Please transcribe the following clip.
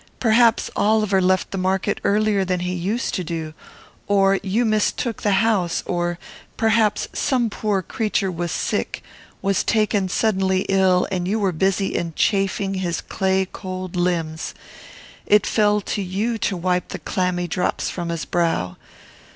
Perhaps Oliver left the market earlier than he used to do; or you mistook the house; or perhaps some poor creature was sick, was taken suddenly ill, and you were busy in chafing his clay cold limbs; it fell to you to wipe the clammy drops from his brow.